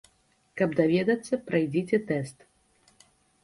Каб даведацца, прайдзіце тэст.